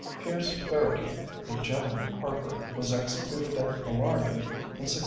Pierce Ferriter, a "gentleman harper", was executed at Killarney in 1652.